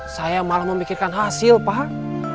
saya malah memikirkan hasil pak